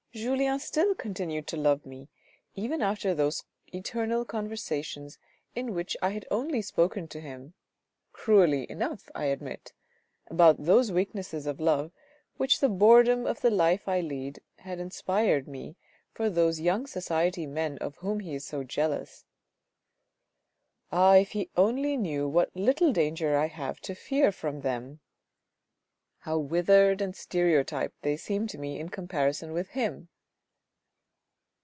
Julien still continued to love me, even after those eternal conversations in which I had only spoken to him (cruelly enough I admit), about those weaknesses of love which the boredom of the life I lead had inspired me for those young society men of whom he is so jealous. Ah, if he only knew what little danger I have to fear from them ; how withered and stereotyped they seem to me in comparison with him."